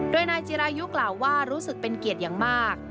โดยนายจิรายุกล่าวว่ารู้สึกเป็นเกียรติอย่างมาก